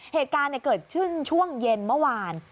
เหตุการณ์เกิดขึ้นช่วงเย็นเมื่อวาน